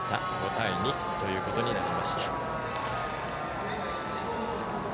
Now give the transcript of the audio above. ５対２ということになりました。